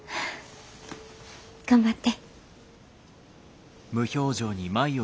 頑張って。